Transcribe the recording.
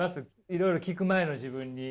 いろいろ聞く前の自分に。